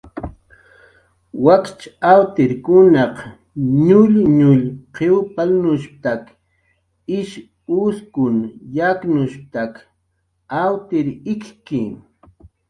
"Wakch awtirkunaq nullnull qiw palnushp""tak ish uskun yaknushp""tak awtir ik""ki. "